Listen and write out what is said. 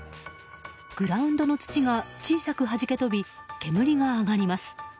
グラウンドの土が小さくはじけ飛び煙が上がります。